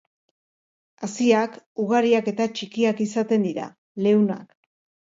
Haziak ugariak eta txikiak izaten dira, leunak.